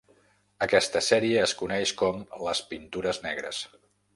Aquesta sèrie es coneix com les Pintures Negres.